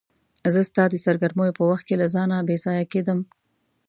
زه ستا د سرګرمیو په وخت کې له ځانه بې ځانه کېدم.